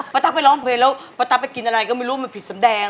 ตั๊กไปร้องเพลงแล้วป้าตั๊กไปกินอะไรก็ไม่รู้มันผิดสำแดง